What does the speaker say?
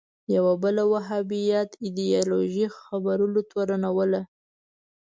یوه بله وهابیت ایدیالوژۍ خپرولو تورنوله